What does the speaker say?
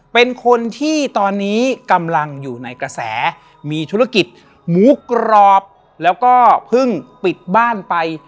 เป็นคนที่ตอนนี้กำลังอยู่ในกระแสมีธุรกิจหมูกรอบแล้วก็เพิ่งปิดบ้านไป